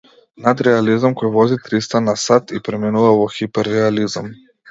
Надреализам кој вози триста на сат и преминува во хипер-реализам!